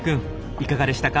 いかがでしたか？